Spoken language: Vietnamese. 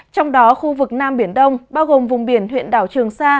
trong đó khu vực nam biển đông bao gồm vùng biển huyện đảo trường sa